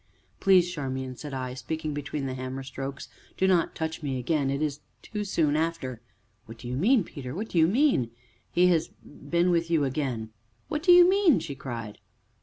"Please, Charmian," said I, speaking between the hammer strokes, "do not touch me again it is too soon after " "What do you mean Peter? What do you mean?" "He has been with you again " "What do you mean?" she cried.